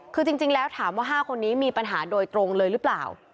คือจริงแล้วถามว่า๕คนนี้มีปัญหาโดยตรงเลยหรือเปล่า